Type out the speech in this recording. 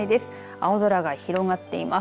青空が広がっています。